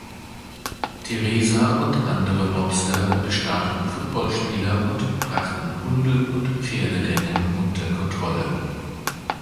Teresa und andere Mobster bestachen Footballspieler und brachten Hunde- und Pferderennen unter Kontrolle.